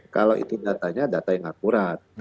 kalau itu datanya data yang akurat